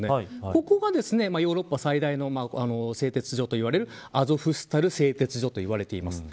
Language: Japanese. ここがヨーロッパ最大の製鉄所といわれるアゾフスタル製鉄所といわれています。